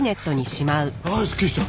ああすっきりした！